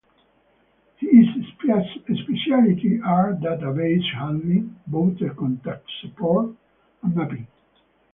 His specialties are database handling, voter contact support and mapping.